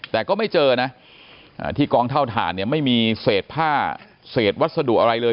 แต่ก็ไม่เจอนะที่กองเท่าฐานเนี่ยไม่มีเศษผ้าเศษวัสดุอะไรเลย